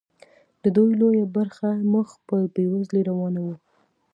د دوی لویه برخه مخ په بیوزلۍ روانه وه.